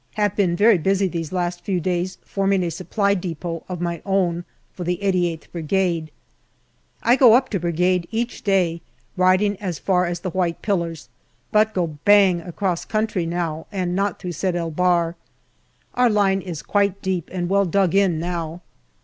Have been very busy these last few days forming a Supply depot of my own for the MAY 73 88th Brigade. I go up to Brigade each day, riding as far as the white pillars, but go bang across country now and not through Sed el Bahr. Our line is quite deep and well dug in now.